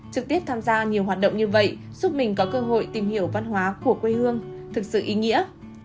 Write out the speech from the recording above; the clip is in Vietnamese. trực tiếp tham gia nhiều hoạt động như vậy giúp mình có cơ hội tìm hiểu văn hóa của quê hương thực sự ý nghĩa